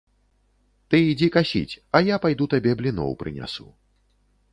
Ты ідзі касіць, а я пайду табе бліноў прынясу.